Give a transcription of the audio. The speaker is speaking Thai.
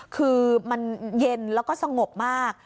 คือมันเย็นแล้วก็สงบมาก